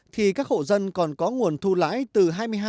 thì các hộ dân còn có nguồn thu lãi từ hai mươi hai